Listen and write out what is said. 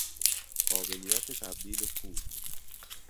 قابلیّت تبدیل پول